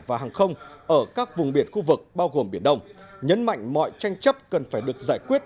và hàng không ở các vùng biển khu vực bao gồm biển đông nhấn mạnh mọi tranh chấp cần phải được giải quyết